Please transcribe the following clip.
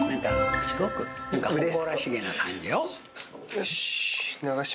よし。